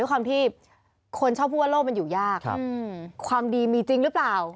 ความที่คนชอบพูดว่าโลกมันอยู่ยากความดีมีจริงหรือเปล่า